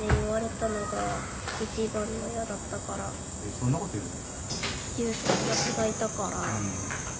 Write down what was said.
そんなこと言うの？